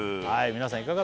はい皆さん